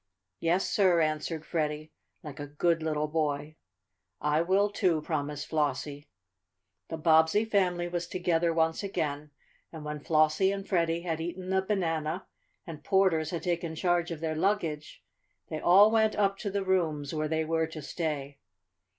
"Yes, sir," answered Freddie, like a good little boy. "I will, too," promised Flossie. The Bobbsey family was together once again, and when Flossie and Freddie had eaten the banana, and porters had taken charge of their baggage, they all went up to the rooms where they were to stay.